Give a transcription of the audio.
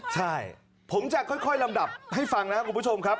ใช่ผมจะค่อยลำดับให้ฟังนะครับคุณผู้ชมครับ